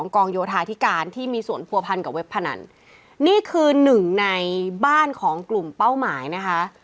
กองโยธาธิการที่มีส่วนผัวพันกับเว็บพนันนี่คือหนึ่งในบ้านของกลุ่มเป้าหมายนะคะ